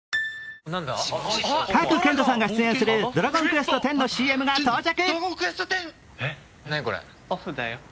賀来賢人さんが出演する「ドラゴンクエストⅩ」のＣＭが到着。